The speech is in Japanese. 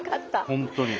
本当に。